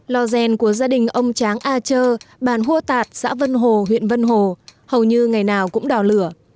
lò rèn của gia đình ông tráng a chơ bàn hua tạt xã vân hồ huyện vân hồ hầu như ngày nào cũng đỏ lửa